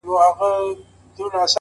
چي هغه ستا سيورى له مځكي ورك سو.